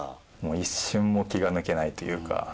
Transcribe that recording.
一瞬も気が抜けないというか。